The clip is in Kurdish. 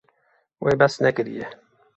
Wê behs nekiriye.